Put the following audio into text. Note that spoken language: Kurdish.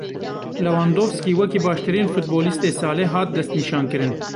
Lewandowski wekî baştirîn futbolîstê salê hat destnîşankirin.